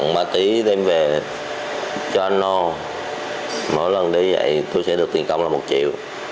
mỗi lần đi vậy tôi sẽ được tiền công là một triệu